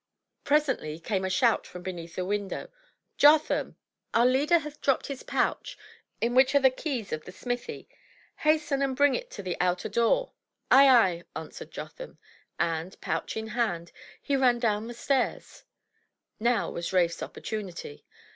Presently came a shout from beneath the window, —*' Jotham! our leader hath dropped his pouch in which are the keys of the smithy. Hasten and bring it to the outer door." Aye, aye !" answered Jotham, and, pouch in hand, he ran down the stairs. Now was Rafe's opportunity.